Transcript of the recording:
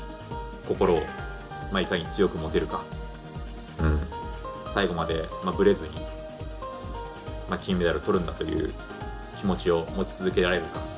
心を、いかに強く持てるか最後まで、ぶれずに金メダル取るんだっていう気持ちを持ち続けられるか